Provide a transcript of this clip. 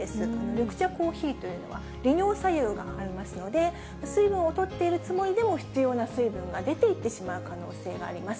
緑茶、コーヒーというのは利尿作用がありますので、水分をとっているつもりでも必要な水分が出ていってしまう可能性があります。